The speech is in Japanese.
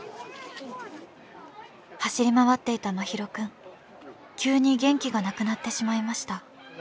走り回っていた真浩くん急に元気がなくなってしまいました。